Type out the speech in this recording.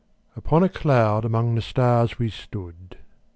Upon a cloud among the stars we stood.